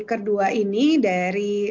kedua ini dari